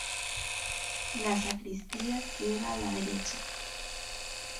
La sacristía queda a la derecha.